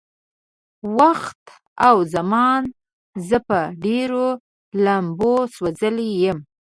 وخت او زمان زه په ډېرو لمبو سوځولی يم.